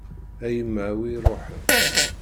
A yemma a wi iruḥen.